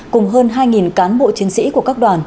cùng hơn hai cán bộ chiến sĩ của các đoàn